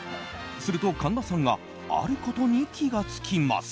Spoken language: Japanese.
すると神田さんがあることに気がつきます。